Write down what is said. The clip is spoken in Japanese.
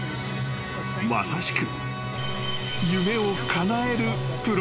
［まさしく］